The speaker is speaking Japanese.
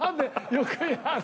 よくやるな！